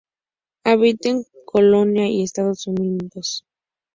Habita en Colombia y Estados Unidos.